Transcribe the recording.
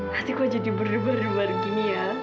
hatiku jadi berdubar dubar gini ya